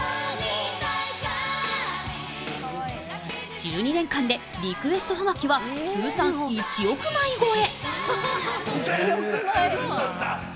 １２年間でリクエストはがきは通算１億枚超え。